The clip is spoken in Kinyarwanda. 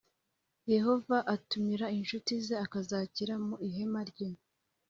Yehova atumira inshuti ze akazakira mu ihema rye